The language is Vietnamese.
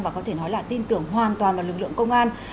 và có thể nói là tin tưởng hoàn toàn vào lực lượng công an